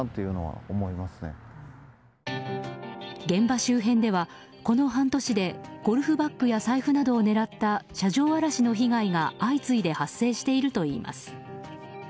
現場周辺では、この半年でゴルフバッグや財布などを狙った車上荒らしの被害が相次いで発生しているといいます。